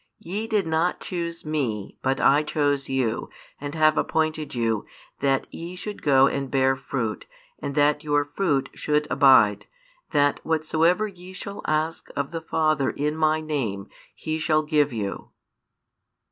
16 Ye did not choose Me, but I chose you, and have appointed you, that ye should go and bear fruit, and that your fruit should abide: that whatsoever ye shall ask of the Father in My name, He shall give you.